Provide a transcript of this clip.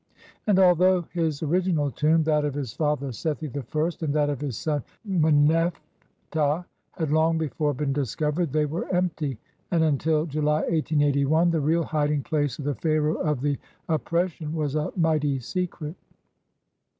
And although his original tomb, that of his father Sethi I, and that of his son Menephtah, had long before been discovered, they were empty, and until July, 1881, the real hiding place of the "Pharaoh of the Oppres sion" was a mighty secret.